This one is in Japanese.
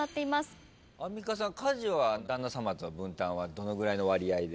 アンミカさん家事は旦那さまとは分担はどのぐらいの割合で？